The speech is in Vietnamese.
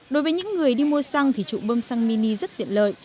đối với những người đi mua xăng thì trụ bơm xăng mini rất tiện lợi